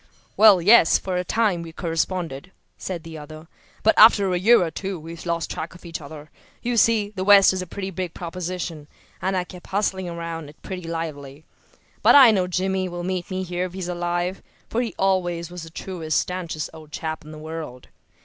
"Well, yes, for a time we corresponded," said the other. "But after a year or two we lost track of each other. You see, the West is a pretty big proposition, and I kept hustling around over it pretty lively. But I know Jimmy will meet me here if he's alive, for he always was the truest, stanchest old chap in the world.